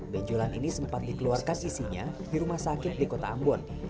benjolan ini sempat dikeluarkan sisinya di rumah sakit di kota ambon